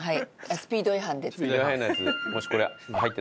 スピード違反で捕まる。